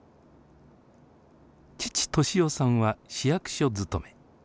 父利雄さんは市役所勤め。